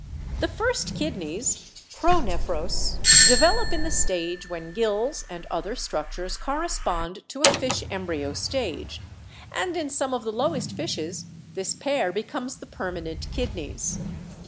The first kidneys (pronephros) develop in the stage when gills and other structures correspond to a fish embryo stage, and in some of the lowest fishes this pair becomes the permanent kidneys.